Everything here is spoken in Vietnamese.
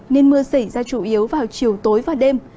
nên mưa xảy ra chủ yếu vào chiều tối và đêm